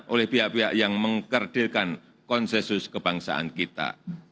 oleh pihak pihak yang mengkerdilkan konsensus kebangsaan kita